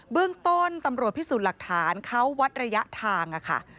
เบื้องต้นตำรวจพิสูจน์หลักฐานเขาวัดระยะทางค่ะ